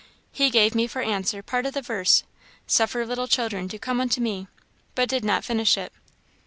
He gave me for answer part of the verse, 'Suffer little children to come unto me,' but did not finish it.